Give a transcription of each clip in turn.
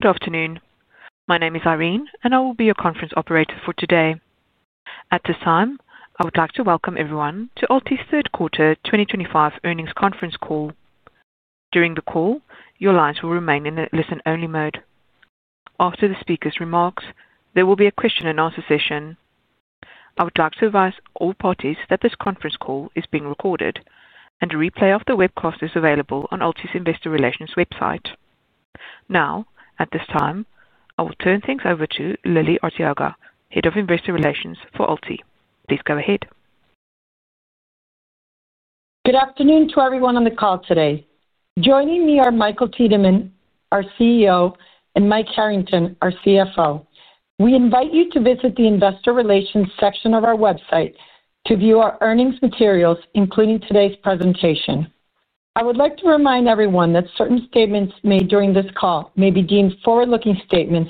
Good afternoon. My name is Irene, and I will be your conference operator for today. At this time, I would like to welcome everyone to AlTi's third quarter 2025 earnings conference call. During the call, your lines will remain in the listen-only mode. After the speaker's remarks, there will be a question-and-answer session. I would like to advise all parties that this conference call is being recorded and a replay of the webcast is available on AlTi's Investor Relations website. Now, at this time, I will turn things over to Lily Arteaga, Head of Investor Relations for AlTi. Please go ahead. Good afternoon to everyone on the call today. Joining me are Michael Tiedemann, our CEO, and Mike Harrington, our CFO. We invite you to visit the Investor Relations section of our website to view our earnings materials, including today's presentation. I would like to remind everyone that certain statements made during this call may be deemed forward-looking statements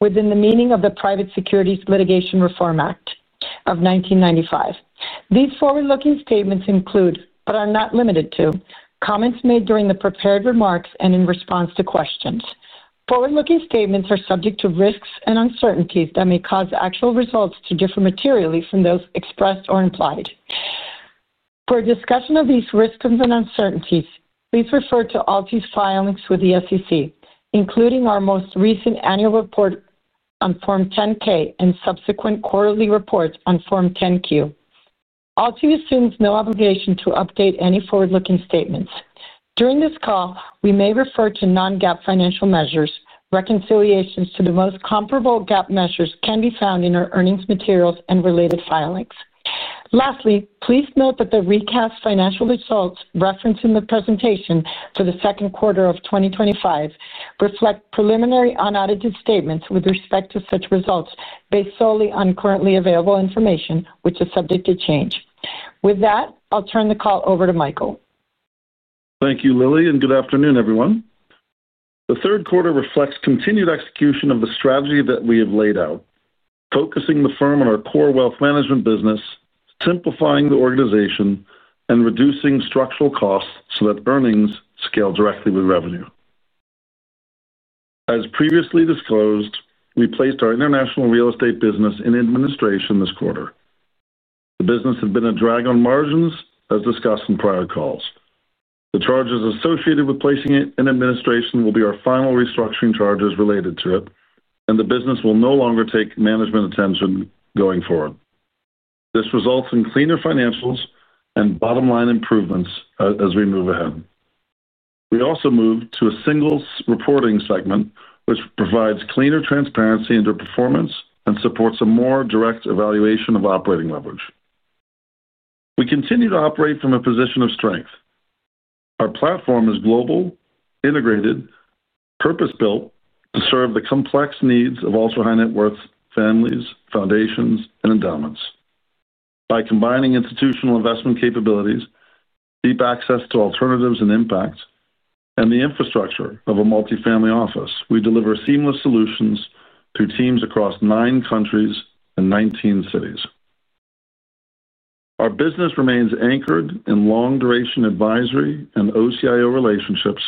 within the meaning of the Private Securities Litigation Reform Act of 1995. These forward-looking statements include, but are not limited to, comments made during the prepared remarks and in response to questions. Forward-looking statements are subject to risks and uncertainties that may cause actual results to differ materially from those expressed or implied. For a discussion of these risks and uncertainties, please refer to AlTi's filings with the SEC, including our most recent annual report on Form 10-K and subsequent quarterly reports on Form 10-Q. AlTi assumes no obligation to update any forward-looking statements. During this call, we may refer to non-GAAP financial measures. Reconciliations to the most comparable GAAP measures can be found in our earnings materials and related filings. Lastly, please note that the recast financial results referenced in the presentation for the second quarter of 2025 reflect preliminary unaudited statements with respect to such results based solely on currently available information, which is subject to change. With that, I'll turn the call over to Michael. Thank you, Lily, and good afternoon, everyone. The third quarter reflects continued execution of the strategy that we have laid out, focusing the firm on our core wealth management business, simplifying the organization, and reducing structural costs so that earnings scale directly with revenue. As previously disclosed, we placed our international real estate business in administration this quarter. The business had been a drag on margins, as discussed in prior calls. The charges associated with placing it in administration will be our final restructuring charges related to it, and the business will no longer take management attention going forward. This results in cleaner financials and bottom-line improvements as we move ahead. We also moved to a single reporting segment, which provides cleaner transparency into performance and supports a more direct evaluation of operating leverage. We continue to operate from a position of strength. Our platform is global, integrated, purpose-built to serve the complex needs of ultra-high-net-worth families, foundations, and endowments. By combining institutional investment capabilities, deep access to alternatives and impact, and the infrastructure of a multifamily office, we deliver seamless solutions to teams across nine countries and 19 cities. Our business remains anchored in long-duration advisory and OCIO relationships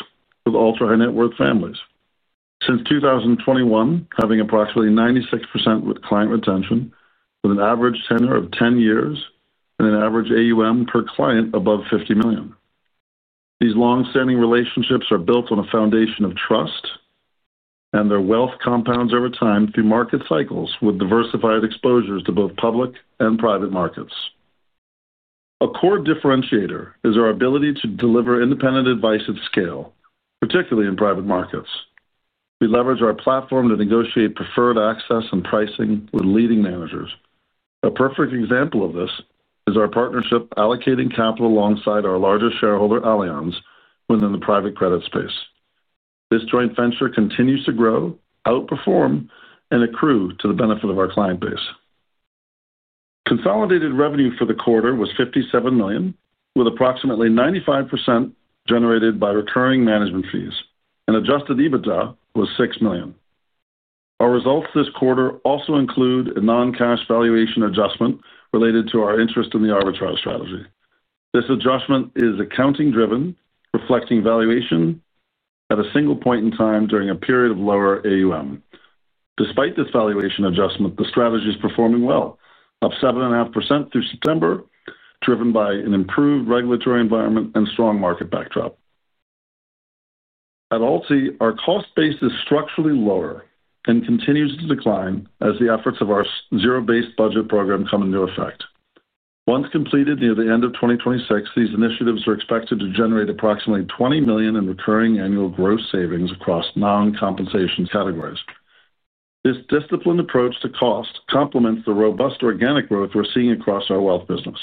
with ultra-high-net-worth families. Since 2021, having approximately 96% client retention, with an average tenor of 10 years and an average AUM per client above $50 million. These long-standing relationships are built on a foundation of trust, and their wealth compounds over time through market cycles with diversified exposures to both public and private markets. A core differentiator is our ability to deliver independent advice at scale, particularly in private markets. We leverage our platform to negotiate preferred access and pricing with leading managers. A perfect example of this is our partnership allocating capital alongside our larger shareholder Allianz within the private credit space. This joint venture continues to grow, outperform, and accrue to the benefit of our client base. Consolidated revenue for the quarter was $57 million, with approximately 95% generated by recurring management fees, and adjusted EBITDA was $6 million. Our results this quarter also include a non-cash valuation adjustment related to our interest in the arbitrage strategy. This adjustment is accounting-driven, reflecting valuation at a single point in time during a period of lower AUM. Despite this valuation adjustment, the strategy is performing well, up 7.5% through September, driven by an improved regulatory environment and strong market backdrop. At AlTi, our cost base is structurally lower and continues to decline as the efforts of our zero-based budget program come into effect. Once completed near the end of 2026, these initiatives are expected to generate approximately $20 million in recurring annual gross savings across non-compensation categories. This disciplined approach to cost complements the robust organic growth we're seeing across our wealth business.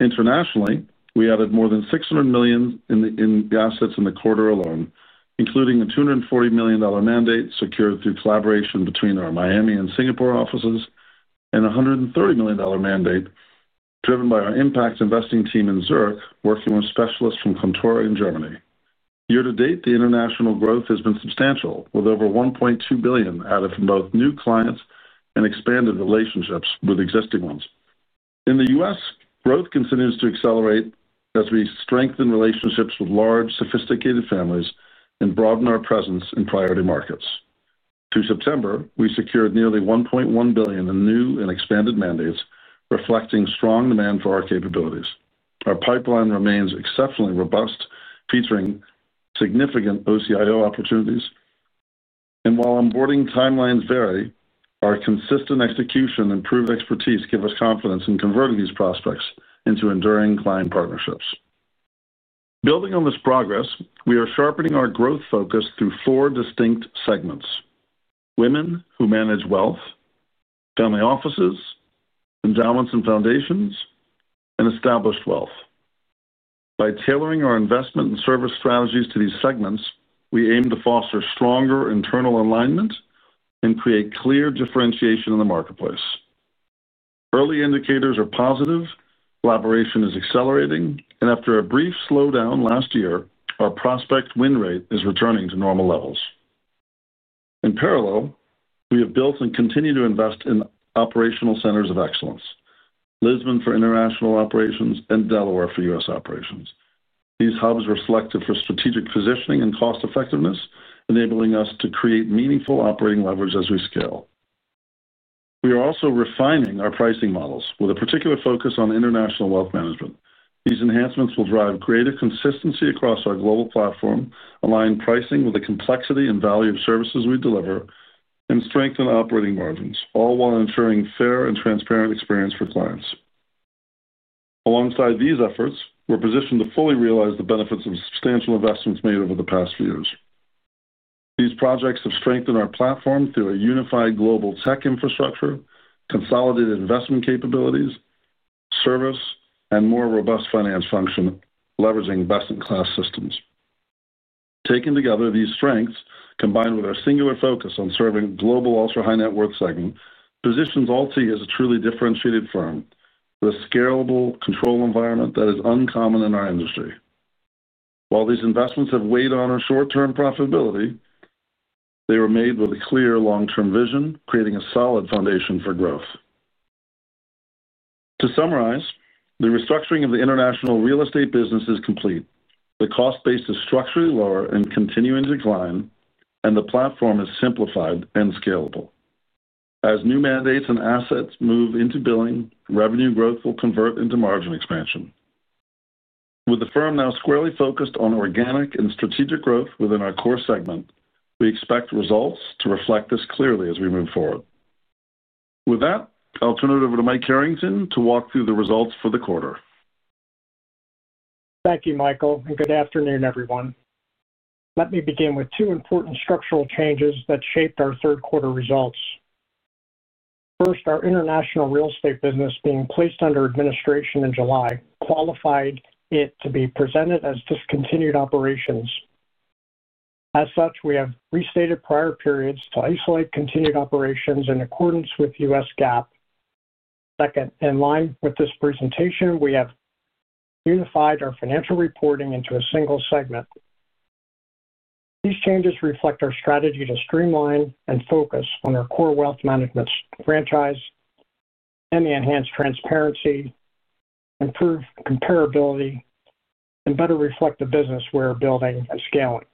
Internationally, we added more than $600 million in assets in the quarter alone, including a $240 million mandate secured through collaboration between our Miami and Singapore offices and a $130 million mandate driven by our impact investing team in Zurich, working with specialists from Contoro in Germany. Year-to-date, the international growth has been substantial, with over $1.2 billion added from both new clients and expanded relationships with existing ones. In the U.S., growth continues to accelerate as we strengthen relationships with large, sophisticated families and broaden our presence in priority markets. Through September, we secured nearly $1.1 billion in new and expanded mandates, reflecting strong demand for our capabilities. Our pipeline remains exceptionally robust, featuring significant OCIO opportunities. While onboarding timelines vary, our consistent execution and proven expertise give us confidence in converting these prospects into enduring client partnerships. Building on this progress, we are sharpening our growth focus through four distinct segments: women who manage wealth, family offices, endowments and foundations, and established wealth. By tailoring our investment and service strategies to these segments, we aim to foster stronger internal alignment and create clear differentiation in the marketplace. Early indicators are positive, collaboration is accelerating, and after a brief slowdown last year, our prospect win rate is returning to normal levels. In parallel, we have built and continue to invest in operational centers of excellence: Lisbon for international operations and Delaware for U.S. operations. These hubs reflect a strategic positioning and cost-effectiveness, enabling us to create meaningful operating leverage as we scale. We are also refining our pricing models, with a particular focus on international wealth management. These enhancements will drive greater consistency across our global platform, align pricing with the complexity and value of services we deliver, and strengthen operating margins, all while ensuring a fair and transparent experience for clients. Alongside these efforts, we're positioned to fully realize the benefits of substantial investments made over the past few years. These projects have strengthened our platform through a unified global tech infrastructure, consolidated investment capabilities, service, and more robust finance function, leveraging best-in-class systems. Taken together, these strengths, combined with our singular focus on serving global ultra-high-net-worth segments, position AlTi as a truly differentiated firm with a scalable control environment that is uncommon in our industry. While these investments have weighed on our short-term profitability, they were made with a clear long-term vision, creating a solid foundation for growth. To summarize, the restructuring of the international real estate business is complete. The cost base is structurally lower and continuing to decline, and the platform is simplified and scalable. As new mandates and assets move into billing, revenue growth will convert into margin expansion. With the firm now squarely focused on organic and strategic growth within our core segment, we expect results to reflect this clearly as we move forward. With that, I'll turn it over to Mike Harrington to walk through the results for the quarter. Thank you, Michael, and good afternoon, everyone. Let me begin with two important structural changes that shaped our third-quarter results. First, our international real estate business being placed under administration in July qualified it to be presented as discontinued operations. As such, we have restated prior periods to isolate continued operations in accordance with U.S. GAAP. Second, in line with this presentation, we have unified our financial reporting into a single segment. These changes reflect our strategy to streamline and focus on our core wealth management franchise and enhance transparency, improve comparability, and better reflect the business we're building and scaling.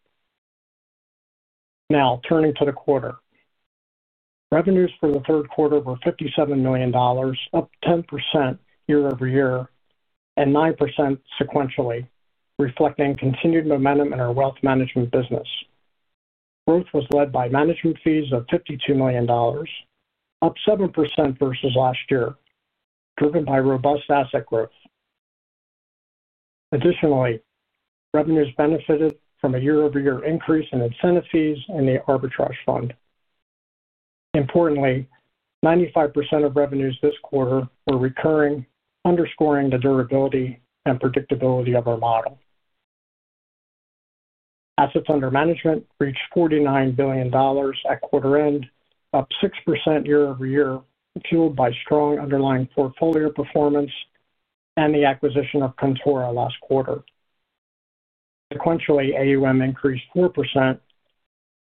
Now, turning to the quarter, revenues for the third quarter were $57 million, up 10% year-over-year and 9% sequentially, reflecting continued momentum in our wealth management business. Growth was led by management fees of $52 million, up 7% versus last year, driven by robust asset growth. Additionally, revenues benefited from a year-over-year increase in incentive fees and the arbitrage fund. Importantly, 95% of revenues this quarter were recurring, underscoring the durability and predictability of our model. Assets under management reached $49 billion at quarter end, up 6% year over year, fueled by strong underlying portfolio performance and the acquisition of Contoro last quarter. Sequentially, AUM increased 4%,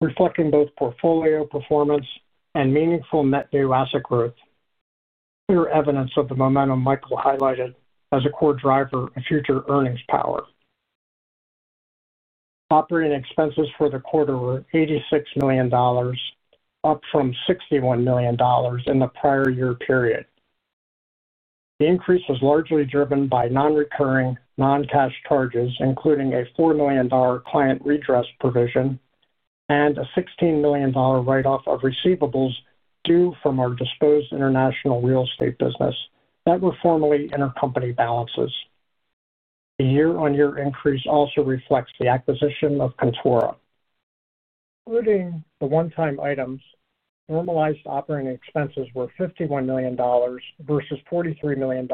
reflecting both portfolio performance and meaningful net new asset growth. Clear evidence of the momentum Michael highlighted as a core driver of future earnings power. Operating expenses for the quarter were $86 million, up from $61 million in the prior year period. The increase was largely driven by non-recurring, non-cash charges, including a $4 million client redress provision and a $16 million write-off of receivables due from our disposed international real estate business that were formerly intercompany balances. The year-on-year increase also reflects the acquisition of Contoro. Including the one-time items, normalized operating expenses were $51 million versus $43 million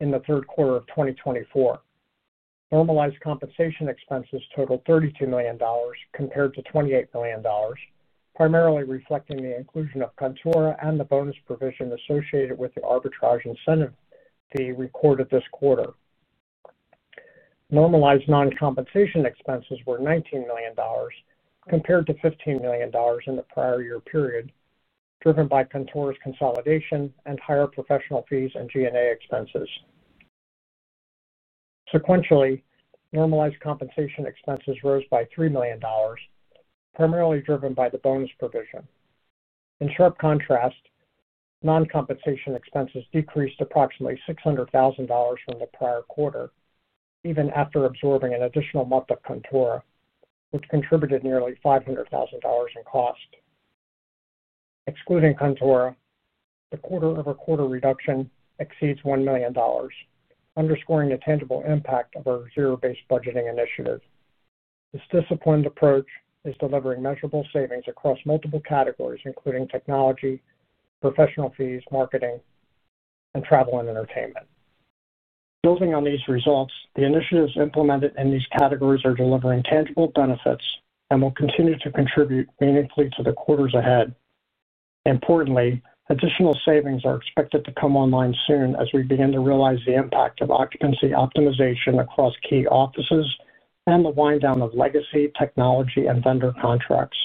in the third quarter of 2024. Normalized compensation expenses totaled $32 million, compared to $28 million, primarily reflecting the inclusion of Contoro and the bonus provision associated with the arbitrage incentive fee recorded this quarter. Normalized non-compensation expenses were $19 million, compared to $15 million in the prior year period, driven by Contoro's consolidation and higher professional fees and G&A expenses. Sequentially, normalized compensation expenses rose by $3 million, primarily driven by the bonus provision. In sharp contrast, non-compensation expenses decreased approximately $600,000 from the prior quarter, even after absorbing an additional month of Contoro, which contributed nearly $500,000 in cost. Excluding Contoro, the quarter-over-quarter reduction exceeds $1 million, underscoring the tangible impact of our zero-based budgeting initiative. This disciplined approach is delivering measurable savings across multiple categories, including technology, professional fees, marketing, and travel and entertainment. Building on these results, the initiatives implemented in these categories are delivering tangible benefits and will continue to contribute meaningfully to the quarters ahead. Importantly, additional savings are expected to come online soon as we begin to realize the impact of occupancy optimization across key offices and the wind down of legacy technology and vendor contracts.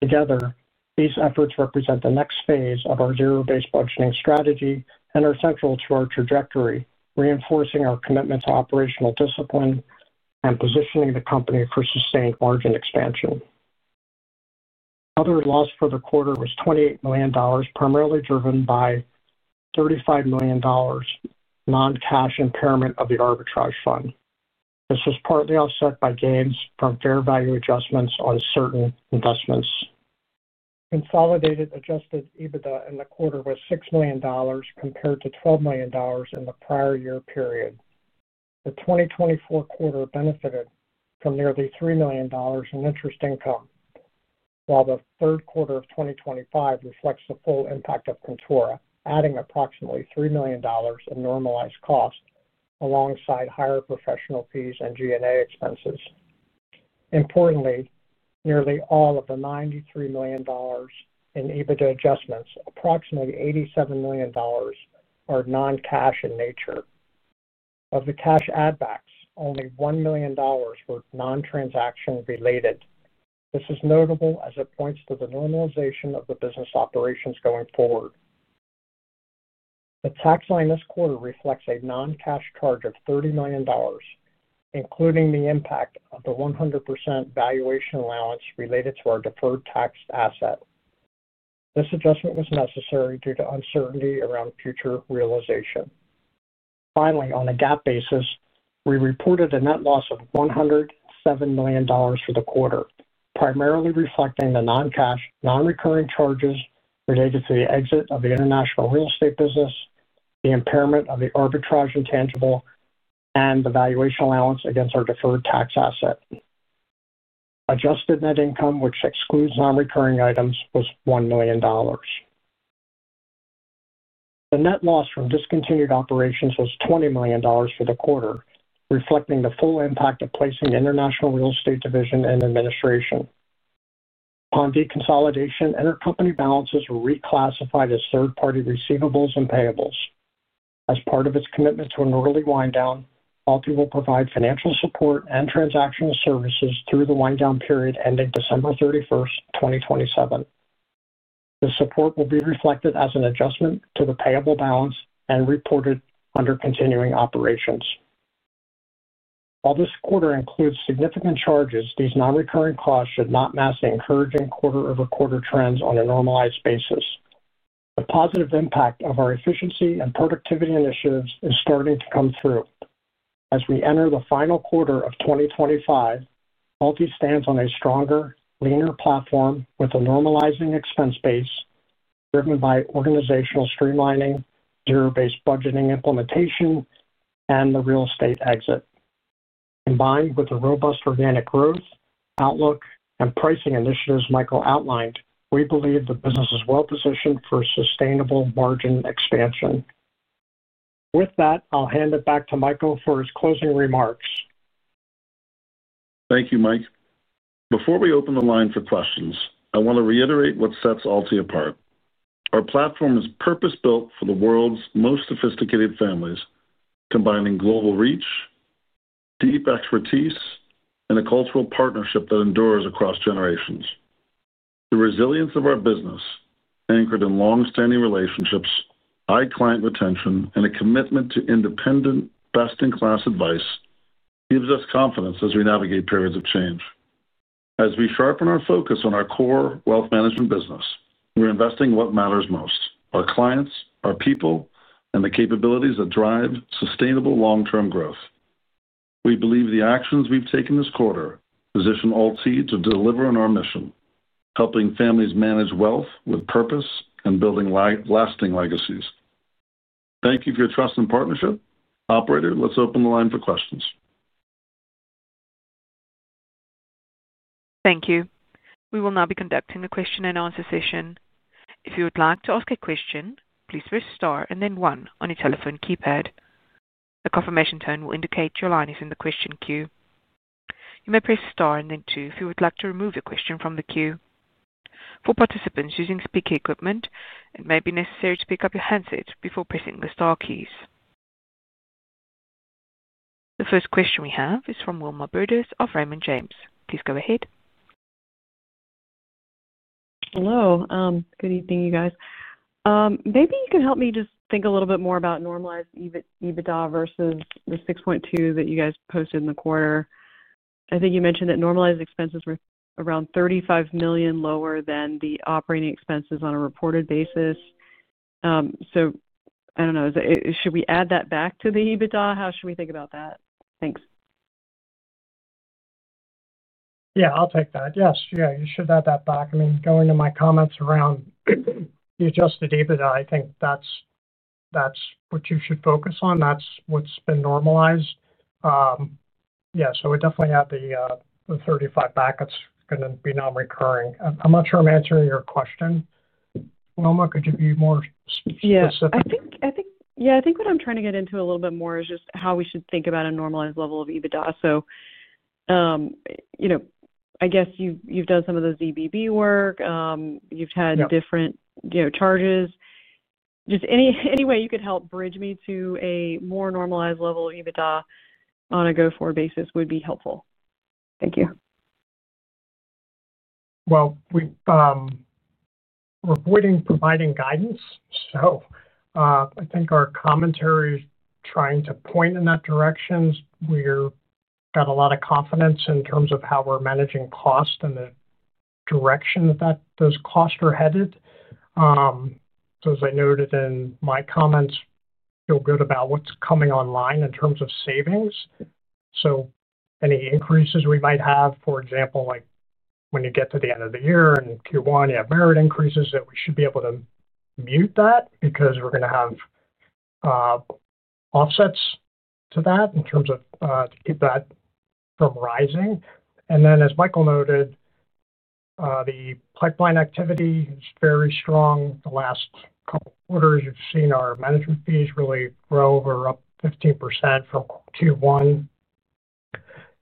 Together, these efforts represent the next phase of our zero-based budgeting strategy and are central to our trajectory, reinforcing our commitment to operational discipline and positioning the company for sustained margin expansion. Other loss for the quarter was $28 million, primarily driven by $35 million non-cash impairment of the arbitrage fund. This was partly offset by gains from fair value adjustments on certain investments. Consolidated adjusted EBITDA in the quarter was $6 million, compared to $12 million in the prior year period. The 2024 quarter benefited from nearly $3 million in interest income, while the third quarter of 2025 reflects the full impact of Contoro, adding approximately $3 million in normalized cost alongside higher professional fees and G&A expenses. Importantly, nearly all of the $93 million in EBITDA adjustments, approximately $87 million, are non-cash in nature. Of the cash add-backs, only $1 million were non-transaction related. This is notable as it points to the normalization of the business operations going forward. The tax line this quarter reflects a non-cash charge of $30 million, including the impact of the 100% valuation allowance related to our deferred taxed asset. This adjustment was necessary due to uncertainty around future realization. Finally, on a GAAP basis, we reported a net loss of $107 million for the quarter, primarily reflecting the non-cash, non-recurring charges related to the exit of the international real estate business, the impairment of the arbitrage intangible, and the valuation allowance against our deferred tax asset. Adjusted net income, which excludes non-recurring items, was $1 million. The net loss from discontinued operations was $20 million for the quarter, reflecting the full impact of placing the international real estate division in administration. Upon deconsolidation, intercompany balances were reclassified as third-party receivables and payables. As part of its commitment to an early wind down, AlTi will provide financial support and transactional services through the wind down period ending December 31, 2027. The support will be reflected as an adjustment to the payable balance and reported under continuing operations. While this quarter includes significant charges, these non-recurring costs should not mask the encouraging quarter-over-quarter trends on a normalized basis. The positive impact of our efficiency and productivity initiatives is starting to come through. As we enter the final quarter of 2025, AlTi stands on a stronger, leaner platform with a normalizing expense base, driven by organizational streamlining, zero-based budgeting implementation, and the real estate exit. Combined with the robust organic growth, outlook, and pricing initiatives Michael outlined, we believe the business is well-positioned for sustainable margin expansion. With that, I'll hand it back to Michael for his closing remarks. Thank you, Mike. Before we open the line for questions, I want to reiterate what sets AlTi apart. Our platform is purpose-built for the world's most sophisticated families, combining global reach, deep expertise, and a cultural partnership that endures across generations. The resilience of our business, anchored in long-standing relationships, high client retention, and a commitment to independent, best-in-class advice, gives us confidence as we navigate periods of change. As we sharpen our focus on our core wealth management business, we're investing in what matters most: our clients, our people, and the capabilities that drive sustainable long-term growth. We believe the actions we've taken this quarter position AlTi to deliver on our mission, helping families manage wealth with purpose and building lasting legacies. Thank you for your trust and partnership. Operator, let's open the line for questions. Thank you. We will now be conducting a question-and-answer session. If you would like to ask a question, please press star and then one on your telephone keypad. A confirmation tone will indicate your line is in the question queue. You may press star and then two if you would like to remove your question from the queue. For participants using speaker equipment, it may be necessary to pick up your handset before pressing the star keys. The first question we have is from Wilma Burdis of Raymond James. Please go ahead. Hello. Good evening, you guys. Maybe you can help me just think a little bit more about normalized EBITDA versus the $6.2 million that you guys posted in the quarter. I think you mentioned that normalized expenses were around $35 million lower than the operating expenses on a reported basis. So I do not know. Should we add that back to the EBITDA? How should we think about that? Thanks. Yeah, I'll take that. Yes, yeah, you should add that back. I mean, going to my comments around the adjusted EBITDA, I think that's what you should focus on. That's what's been normalized. Yeah, so we definitely add the $35 back. It's going to be non-recurring. I'm not sure I'm answering your question. Wilma, could you be more specific? Yeah, I think what I'm trying to get into a little bit more is just how we should think about a normalized level of EBITDA. I guess you've done some of the ZBB work. You've had different charges. Just any way you could help bridge me to a more normalized level of EBITDA on a go-forward basis would be helpful. Thank you. We're avoiding providing guidance. I think our commentary is trying to point in that direction. We've got a lot of confidence in terms of how we're managing cost and the direction that those costs are headed. As I noted in my comments, feel good about what's coming online in terms of savings. Any increases we might have, for example, when you get to the end of the year in Q1, you have merit increases, that we should be able to mute that because we're going to have offsets to that in terms of to keep that from rising. As Michael noted, the pipeline activity is very strong. The last couple of quarters, you've seen our management fees really grow over up 15% from Q1.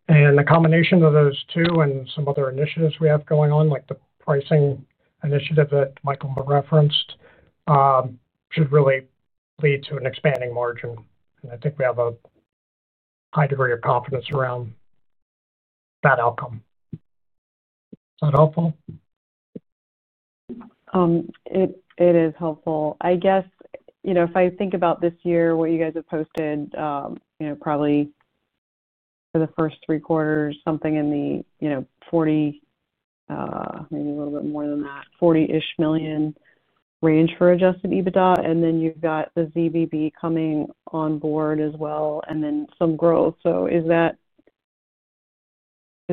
The combination of those two and some other initiatives we have going on, like the pricing initiative that Michael referenced, should really lead to an expanding margin. I think we have a high degree of confidence around that outcome. Is that helpful? It is helpful. I guess if I think about this year, what you guys have posted, probably for the first three quarters, something in the $40 million, maybe a little bit more than that, $40-ish million range for adjusted EBITDA. And then you have got the ZBB coming on board as well, and then some growth. Does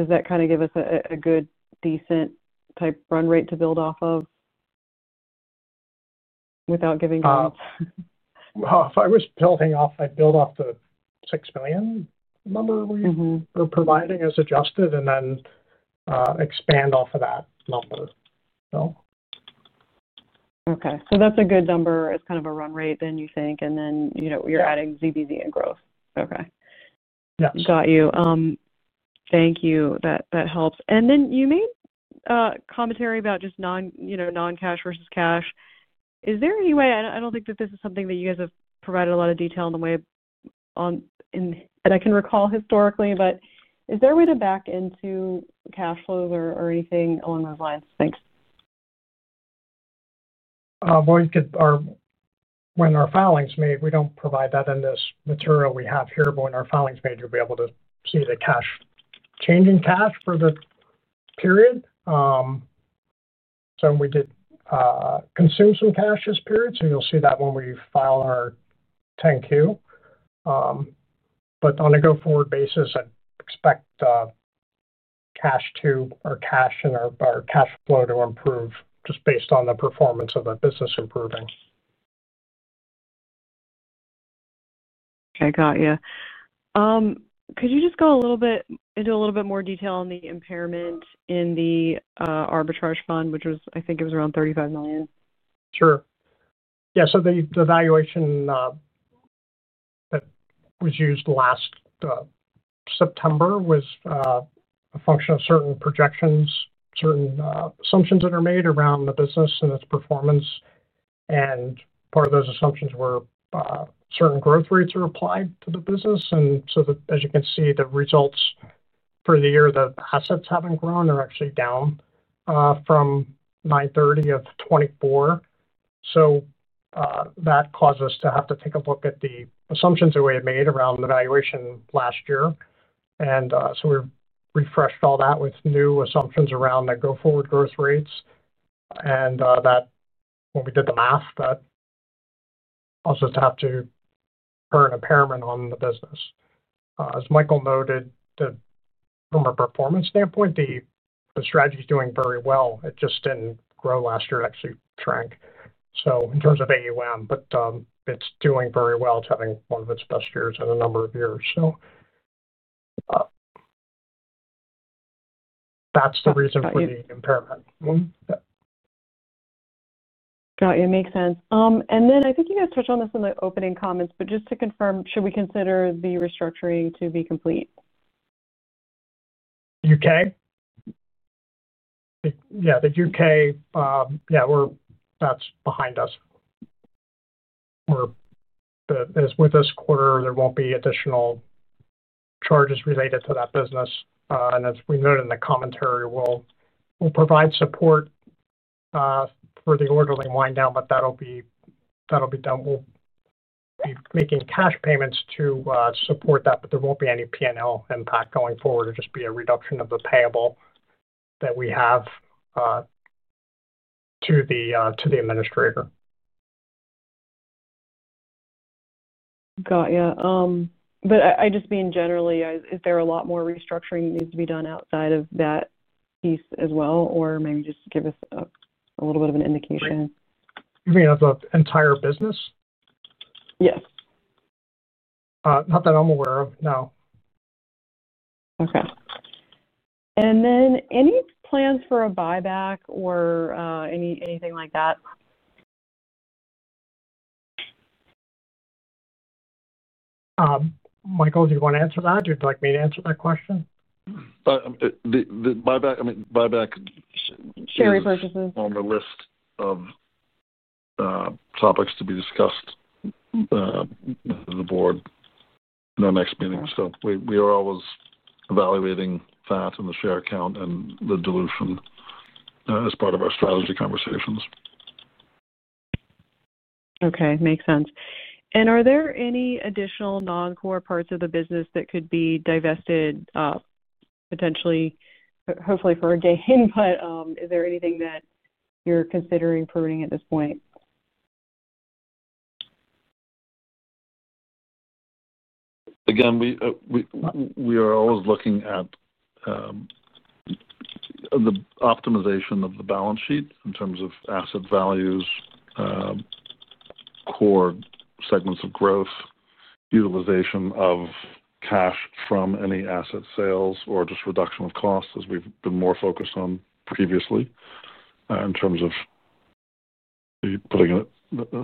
that kind of give us a good, decent type run rate to build off of without giving guidance? If I was building off, I'd build off the $6 million number we were providing as adjusted and then expand off of that number, so. Okay. So that's a good number as kind of a run rate then, you think, and then you're adding ZBB and growth. Okay. Yes. Got you. Thank you. That helps. You made commentary about just non-cash versus cash. Is there any way, I do not think that this is something that you guys have provided a lot of detail in the way that I can recall historically, but is there a way to back into cash flow or anything along those lines? Thanks. When our filing's made, we don't provide that in this material we have here, but when our filing's made, you'll be able to see the cash, changing cash for the period. We did consume some cash this period, so you'll see that when we file our 10-Q. On a go-forward basis, I'd expect cash or cash and our cash flow to improve just based on the performance of the business improving. Okay. Got you. Could you just go a little bit into a little bit more detail on the impairment in the arbitrage fund, which was, I think it was around $35 million? Sure. Yeah. The valuation that was used last September was a function of certain projections, certain assumptions that are made around the business and its performance. Part of those assumptions were certain growth rates are applied to the business. As you can see, the results for the year that assets have not grown are actually down from $930 million of 2024. That caused us to have to take a look at the assumptions that we had made around the valuation last year. We refreshed all that with new assumptions around the go-forward growth rates. When we did the math, that caused us to have to record an impairment on the business. As Michael noted, from a performance standpoint, the strategy is doing very well. It just did not grow last year. It actually shrank, in terms of AUM. It is doing very well. It's having one of its best years in a number of years. That is the reason for the impairment. Got it. It makes sense. I think you guys touched on this in the opening comments, but just to confirm, should we consider the restructuring to be complete? U.K.? Yeah. Yeah, the U.K., yeah, that's behind us. As with this quarter, there won't be additional charges related to that business. As we noted in the commentary, we'll provide support for the orderly wind down, but that'll be done. We'll be making cash payments to support that, but there won't be any P&L impact going forward. It'll just be a reduction of the payable that we have to the administrator. Got you. I just mean generally, is there a lot more restructuring that needs to be done outside of that piece as well, or maybe just give us a little bit of an indication? You mean of the entire business? Yes. Not that I'm aware of, no. Okay. And then any plans for a buyback or anything like that? Michael, do you want to answer that? Do you like me to answer that question? The buyback. Share repurchases. On the list of topics to be discussed with the board in our next meeting. We are always evaluating that and the share count and the dilution as part of our strategy conversations. Okay. Makes sense. Are there any additional non-core parts of the business that could be divested potentially, hopefully for a gain, but is there anything that you're considering pruning at this point? Again, we are always looking at the optimization of the balance sheet in terms of asset values, core segments of growth, utilization of cash from any asset sales, or just reduction of costs, as we've been more focused on previously in terms of putting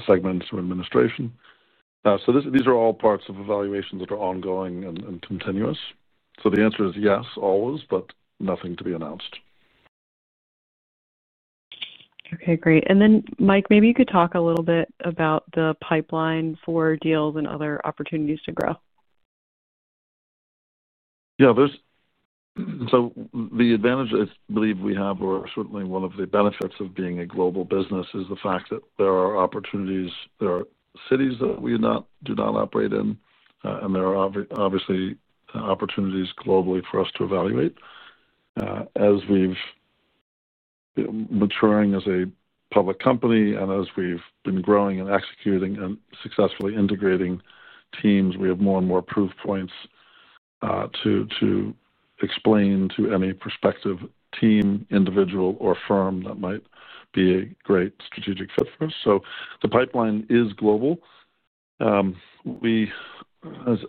segments through administration. These are all parts of evaluations that are ongoing and continuous. The answer is yes, always, but nothing to be announced. Okay. Great. Mike, maybe you could talk a little bit about the pipeline for deals and other opportunities to grow. Yeah. The advantage I believe we have, or certainly one of the benefits of being a global business, is the fact that there are opportunities. There are cities that we do not operate in, and there are obviously opportunities globally for us to evaluate. As we've matured as a public company and as we've been growing and executing and successfully integrating teams, we have more and more proof points to explain to any prospective team, individual, or firm that might be a great strategic fit for us. The pipeline is global.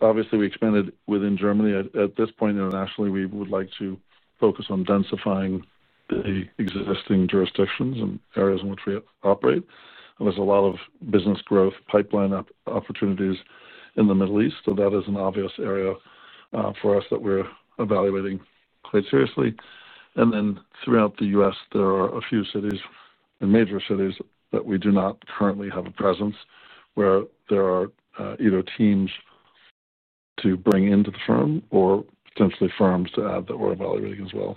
Obviously, we expanded within Germany at this point. Internationally, we would like to focus on densifying the existing jurisdictions and areas in which we operate. There is a lot of business growth pipeline opportunities in the Middle East, so that is an obvious area for us that we're evaluating quite seriously. Throughout the U.S., there are a few cities and major cities that we do not currently have a presence where there are either teams to bring into the firm or potentially firms that we're evaluating as well.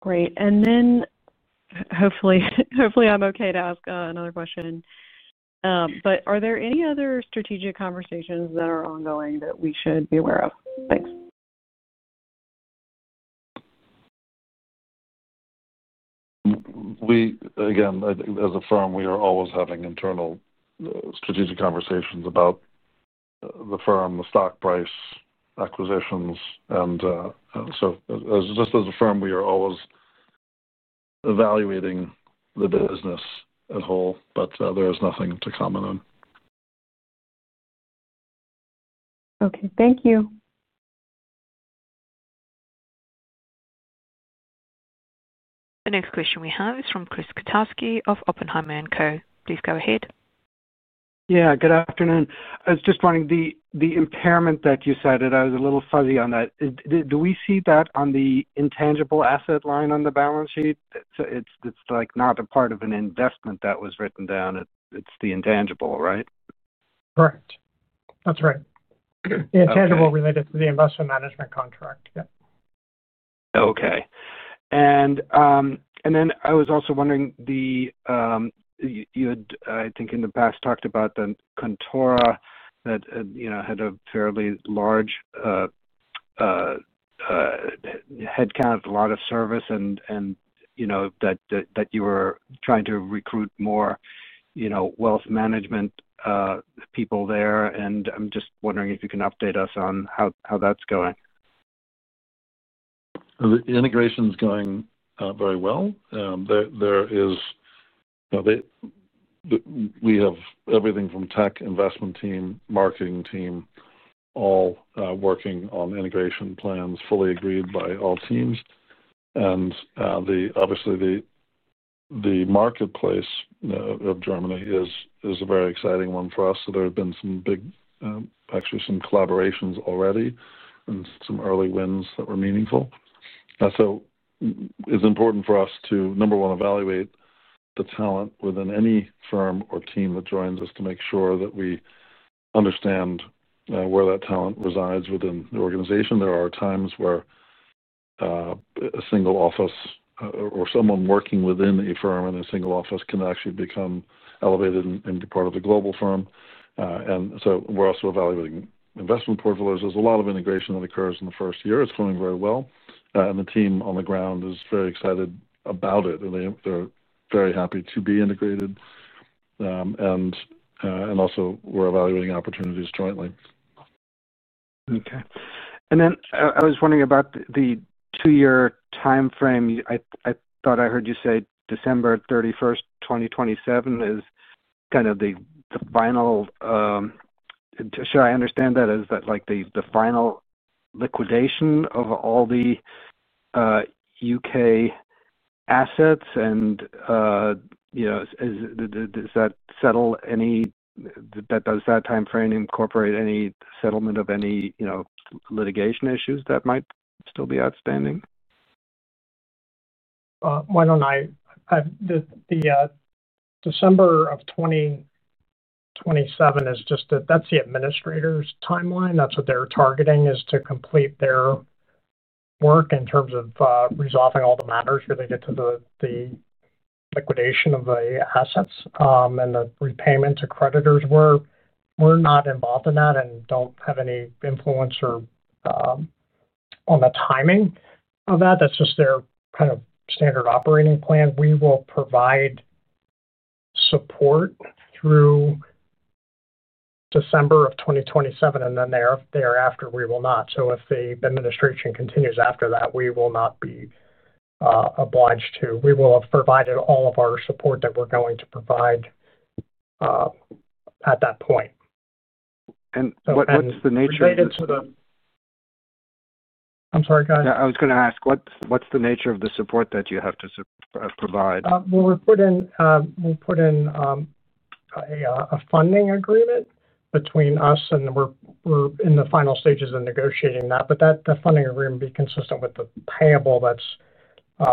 Great. Hopefully I'm okay to ask another question, but are there any other strategic conversations that are ongoing that we should be aware of? Thanks. Again, as a firm, we are always having internal strategic conversations about the firm, the stock price, acquisitions. As a firm, we are always evaluating the business as a whole, but there is nothing to comment on. Okay. Thank you. The next question we have is from Chris Kotowski of Oppenheimer & Co. Please go ahead. Yeah. Good afternoon. I was just wondering, the impairment that you cited, I was a little fuzzy on that. Do we see that on the intangible asset line on the balance sheet? It's not a part of an investment that was written down. It's the intangible, right? Correct. That's right. The intangible related to the investment management contract. Yeah. Okay. I was also wondering, you had, I think in the past, talked about the Contoro that had a fairly large headcount, a lot of service, and that you were trying to recruit more wealth management people there. I am just wondering if you can update us on how that's going. The integration is going very well. We have everything from tech, investment team, marketing team, all working on integration plans fully agreed by all teams. Obviously, the marketplace of Germany is a very exciting one for us. There have been some, actually, some collaborations already and some early wins that were meaningful. It is important for us to, number one, evaluate the talent within any firm or team that joins us to make sure that we understand where that talent resides within the organization. There are times where a single office or someone working within a firm and a single office can actually become elevated and be part of the global firm. We are also evaluating investment portfolios. There is a lot of integration that occurs in the first year. It is going very well. The team on the ground is very excited about it. They're very happy to be integrated. Also, we're evaluating opportunities jointly. Okay. I was wondering about the two-year timeframe. I thought I heard you say December 31, 2027 is kind of the final—shall I understand that as the final liquidation of all the U.K. assets? Does that settle any—does that timeframe incorporate any settlement of any litigation issues that might still be outstanding? Why don't I—the December of 2027 is just that's the administrator's timeline. That's what they're targeting is to complete their work in terms of resolving all the matters where they get to the liquidation of the assets and the repayment to creditors. We're not involved in that and don't have any influence on the timing of that. That's just their kind of standard operating plan. We will provide support through December of 2027, and thereafter, we will not. If the administration continues after that, we will not be obliged to. We will have provided all of our support that we're going to provide at that point. What's the nature of the— Related to the— I'm sorry, go ahead. I was going to ask, what's the nature of the support that you have to provide? We put in a funding agreement between us, and we're in the final stages of negotiating that. That funding agreement would be consistent with the payable that's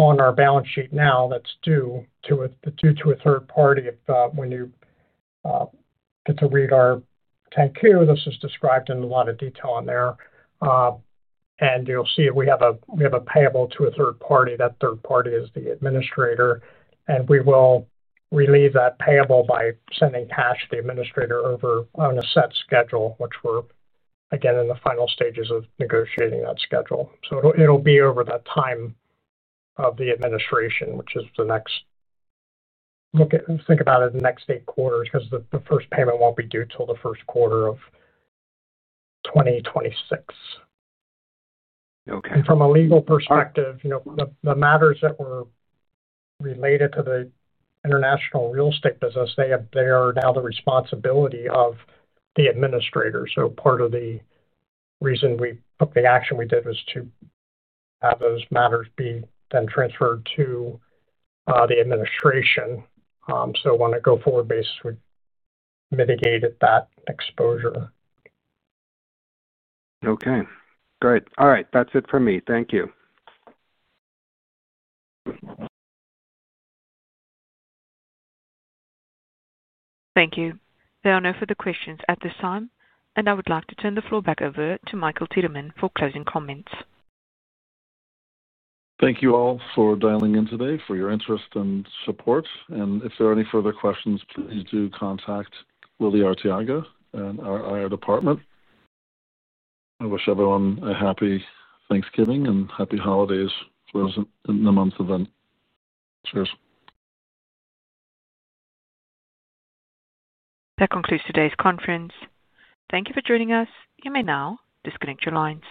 on our balance sheet now that's due to a third party. When you get to read our 10-Q, this is described in a lot of detail on there. You'll see we have a payable to a third party. That third party is the administrator. We will relieve that payable by sending cash to the administrator on a set schedule, which we're, again, in the final stages of negotiating that schedule. It will be over that time of the administration, which is the next, think about it, the next eight quarters because the first payment will not be due until the first quarter of 2026. From a legal perspective, the matters that were related to the international real estate business, they are now the responsibility of the administrator. Part of the reason we took the action we did was to have those matters be then transferred to the administration. On a go-forward basis, we mitigated that exposure. Okay. Great. All right. That's it for me. Thank you. Thank you. There are no further questions at this time. I would like to turn the floor back over to Michael Tiedemann for closing comments. Thank you all for dialing in today for your interest and support. If there are any further questions, please do contact Lily Arteaga and our IR department. I wish everyone a happy Thanksgiving and happy holidays for the month of Advent. Cheers. That concludes today's conference. Thank you for joining us. You may now disconnect your lines.